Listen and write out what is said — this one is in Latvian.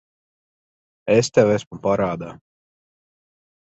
Es tev esmu parādā.